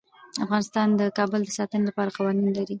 افغانستان د کابل د ساتنې لپاره قوانین لري.